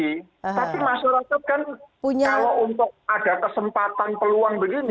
tapi masyarakat kan kalau untuk ada kesempatan peluang begini